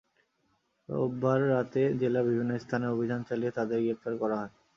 রোববার রাতে জেলার বিভিন্ন স্থানে অভিযান চালিয়ে তাঁদের গ্রেপ্তার করা হয়।